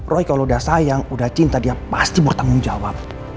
roy kalau udah sayang udah cinta dia pasti bertanggung jawab